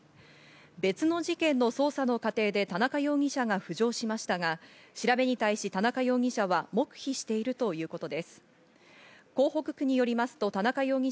別の事件の捜査の過程で田中容疑者が浮上しましたが、調べに対し田中容疑者は黙秘しているということです。